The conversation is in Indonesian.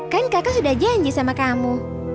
kan kakak sudah janji sama kamu